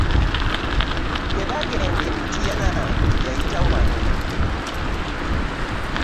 Lwe baagenda e Mityana yayita wano.